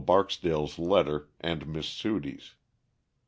Barksdale's letter and Miss Sudie's.